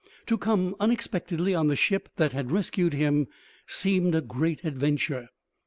To come unexpectedly on the ship that had rescued him seemed a great adventure.